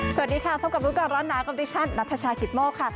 สวัสดีค่ะทบกับร้อนหนากอนติชั่นนัทชาฮิตมกค่ะ